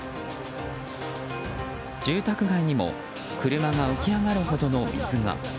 住宅街にも車が浮き上がるほどの水が。